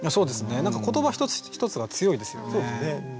何か言葉一つ一つが強いですよね。